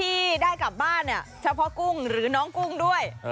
ที่ได้กลับบ้านเนี่ยเฉพาะกุ้งหรือน้องกุ้งด้วย